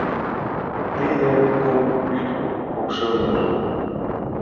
Тиде кум вӱд покшелныже